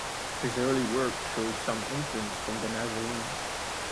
His early work shows some influence from the Nazarenes.